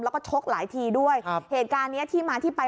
แล้วก็ชกหลายทีด้วยครับเหตุการณ์เนี้ยที่มาที่ไป